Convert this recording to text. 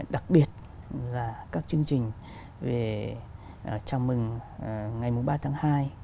đặc biệt là các chương trình về chào mừng ngày ba tháng hai